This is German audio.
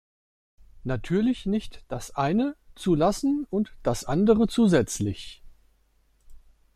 Natürlich nicht das eine zu lassen und das andere zusätzlich.